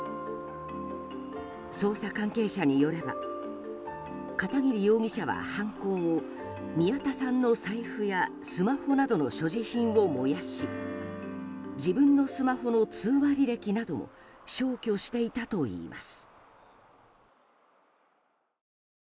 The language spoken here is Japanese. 捜査関係者によれば片桐容疑者は犯行後宮田さんの財布やスマホなどの所持品を燃やし自分のスマホの通話履歴などを消去していたといいます。